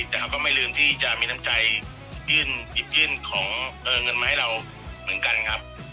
แต่เขาก็ไม่ลืมที่จะมีน้ำใจยื่นหยิบยื่นของเงินมาให้เราเหมือนกันครับ